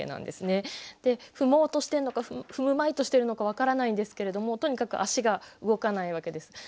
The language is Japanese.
で踏もうとしてるのか踏むまいとしてるのか分からないんですけれどもとにかく足が動かないわけです。